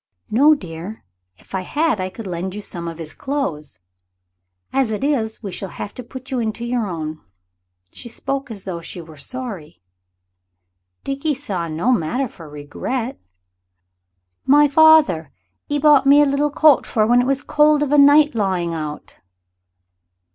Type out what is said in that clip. "No, dear; if I had I could lend you some of his clothes. As it is, we shall have to put you into your own." She spoke as though she were sorry. Dickie saw no matter for regret. "My father 'e bought me a little coat for when it was cold of a night lying out."